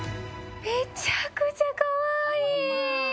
めちゃくちゃかわいい！